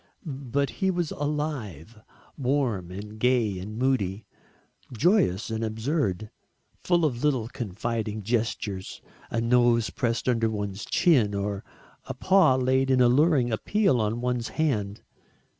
But he was alive, warm and gay and moody joyous and absurd full of little confiding gestures a nose pressed under one's chin, or a paw laid in alluring appeal on one's hand.